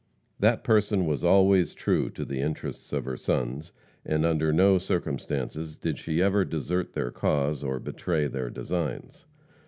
That person was always true to the interests of her sons, and under no circumstances did she ever desert their cause or betray their designs.